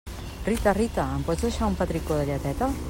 Rita, Rita, em pots deixar un petricó de lleteta?